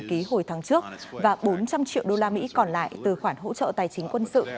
ký hồi tháng trước và bốn trăm linh triệu đô la mỹ còn lại từ khoản hỗ trợ tài chính quân sự